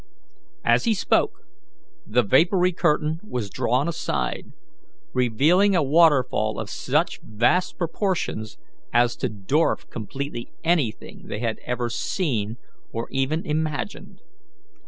As he spoke, the vapoury curtain was drawn aside, revealing a waterfall of such vast proportions as to dwarf completely anything they had ever seen or even imagined.